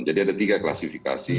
jadi ada tiga klasifikasi